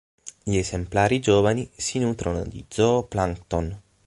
Gli esemplari giovani si nutrono di zooplancton.